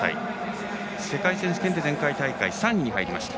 世界選手権で前回大会３位に入りました。